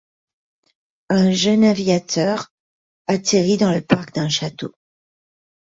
Un jeune aviateur atterrit dans le parc d'un château.